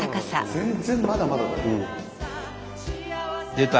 全然まだまだだよ。出た！